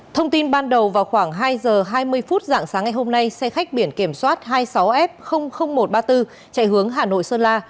thông tin ban đầu vào khoảng hai giờ hai mươi phút dạng sáng ngày hôm nay xe khách biển kiểm soát hai mươi sáu f một trăm ba mươi bốn chạy hướng hà nội sơn la